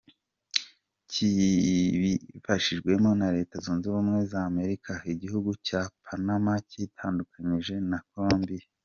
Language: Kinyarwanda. Kibifashijwemo na Leta zunze ubumwe za Amerika, igihugu cya Panama cyitandukanyije na Colombia.